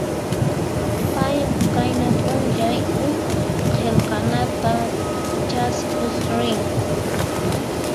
Pay qayna p'unchay huk qillqanata chaskiq rin.